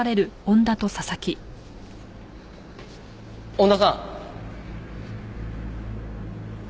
恩田さん。